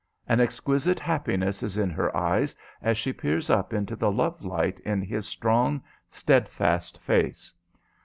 An exquisite happiness is in her eyes as she peers up into the love light in his strong, steadfast face.